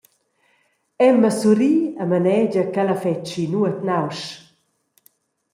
Emma surri e manegia ch’ella fetschi nuot nausch.